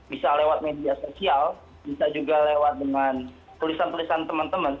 bisa lewat media sosial bisa juga lewat dengan tulisan tulisan teman teman